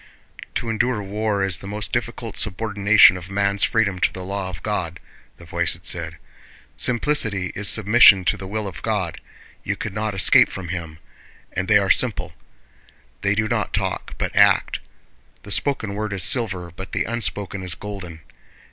"To endure war is the most difficult subordination of man's freedom to the law of God," the voice had said. "Simplicity is submission to the will of God; you cannot escape from Him. And they are simple. They do not talk, but act. The spoken word is silver but the unspoken is golden.